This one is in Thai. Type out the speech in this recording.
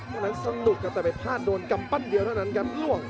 วันนั้นสนุกครับแต่ไปพลาดโดนกำปั้นเดียวเท่านั้นครับล่วง